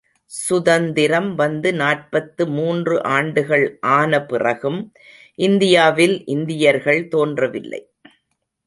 சுதந்திரம் வந்து நாற்பத்து மூன்று ஆண்டுகள் ஆன பிறகும் இந்தியாவில் இந்தியர்கள் தோன்றவில்லை.